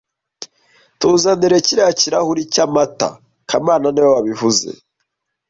Tuzanirekiriya kirahuri cyamata kamana niwe wabivuze